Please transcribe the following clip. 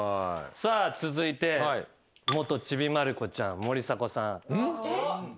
さあ続いて元ちびまる子ちゃん森迫さん。